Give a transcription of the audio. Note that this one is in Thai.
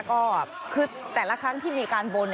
ก็คือแต่ละครั้งที่มีการบน